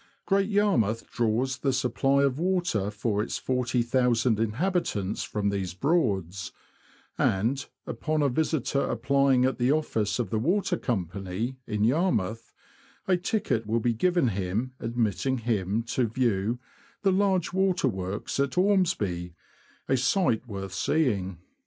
Great Yarmouth draws the supply of water for its 40,000 inhabitants from these Broads, and, upon a visitor applying at the office of the Water Company, in Yarmouth, a ticket will be given him admitting him to view the large waterworks at Ormsby — a sight worth seeing.